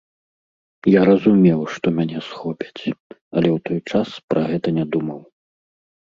Я разумеў, што мяне схопяць, але ў той час пра гэта не думаў.